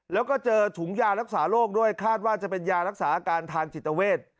แล้วก็เจอถุงยารักษาโรคด้วยคาดว่าจะเป็นยารักษาอาการทางจิตเวท